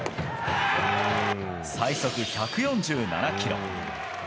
最速１４７キロ。